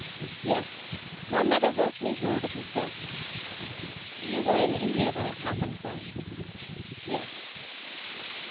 "Yes, my mother wrote me word of his death. "" You were in India when it happened, then ?"" Yes."